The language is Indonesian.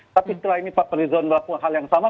tapi setelah ini pak fadlizon melakukan hal yang sama